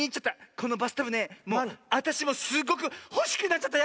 このバスタブねあたしもすっごくほしくなっちゃった